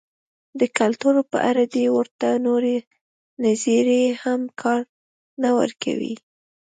د کلتور په اړه دې ته ورته نورې نظریې هم کار نه ورکوي.